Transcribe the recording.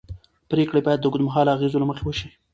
پرېکړې باید د اوږدمهاله اغېزو له مخې وشي